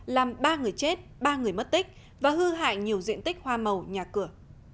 làm ba người chết ba người mất tích và hư hại nhiều diện tích hoa màu nhà cửa